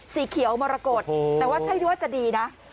สีเขียวมรกฏแต่ว่าใช่ที่ว่าจะดีนะ